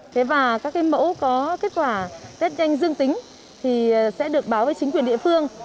thế và các cái mẫu có kết quả test nhanh dương tính thì sẽ được báo với chính quyền địa phương